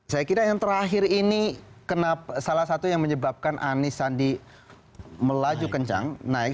saya kira yang terakhir ini salah satu yang menyebabkan anies sandi melaju kencang naik